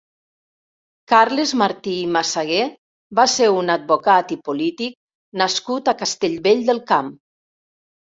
Carles Martí i Massagué va ser un advocat i polític nascut a Castellvell del Camp.